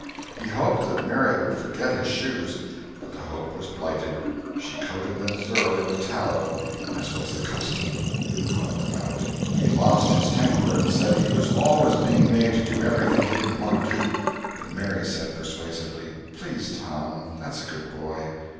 He hoped that Mary would forget his shoes, but the hope was blighted; she coated them thoroughly with tallow, as was the custom, and brought them out. He lost his temper and said he was always being made to do everything he didn't want to do. But Mary said, persuasively: "Please, Tom—that's a good boy."